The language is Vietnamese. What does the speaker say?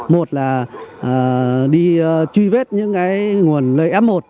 một là đi truy vết những nguồn lây f một